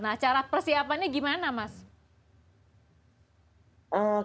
nah cara persiapannya gimana mas